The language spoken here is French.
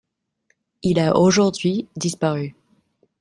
Il a aujourd'hui disparu.